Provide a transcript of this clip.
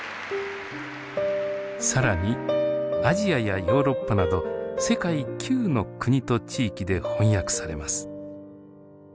更にアジアやヨーロッパなど世界９の国と地域で翻訳されます。